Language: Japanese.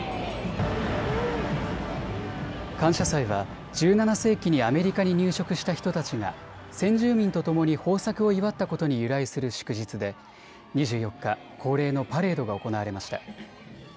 感謝祭は１７世紀にアメリカに入植した人たちが先住民とともに豊作を祝ったことに由来する祝日で２４日、恒例のパレードが行われました。